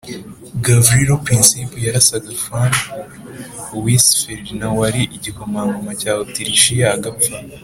Gavrilo princip yarasaga fran ois ferdinand wari igikomangoma cya otirishiya agapfa